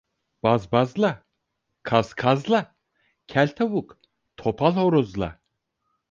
Baz bazla, kaz kazla, kel tavuk topal horozla.